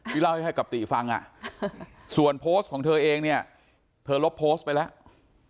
เล่าให้กับติฟังส่วนโพสต์ของเธอเองเนี่ยเธอลบโพสต์ไปแล้ว